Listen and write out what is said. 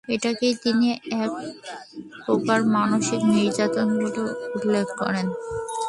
এটাকে তিনি এক প্রকার মানসিক নির্যাতন বলে উল্লেখ করেন।